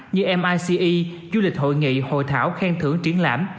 như hội nghị hội thảo khen thưởng triển lãm